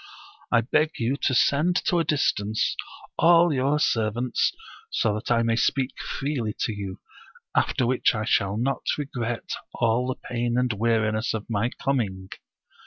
I beg you to send to a distance all your servants, so that I may speak freely to you, after which I shall not regret all the pain and weariness of my com ing."